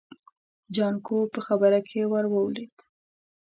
جانکو په خبره کې ور ولوېد.